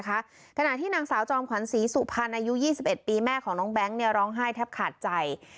ขณะที่นางสาวจอมขวัญศรีสุพรรณอายุ๒๑ปีแม่ของน้องแบงค์ร้องไห้แทบขาดใจ